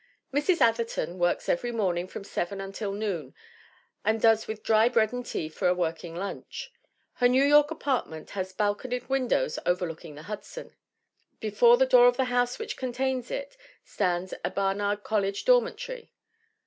Mrs. Atherton works every morning from seven until noon, and does with dry bread and tea for a working lunch. Her New York apartment has bal conied windows overlooking the Hudson. Before the door of the house which contains it stands a Barnard College dormitory.